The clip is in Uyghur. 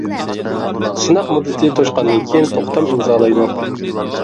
سىناق مۇددىتى توشقاندىن كىيىن توختام ئىمزالايدۇ.